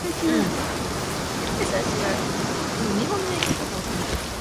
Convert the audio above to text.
영신이가 거처하는 방은 사내아이 계집아이들로 두겹 세겹 에워싸였다.